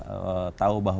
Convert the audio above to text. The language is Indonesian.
iya dengan cara yang mudah ya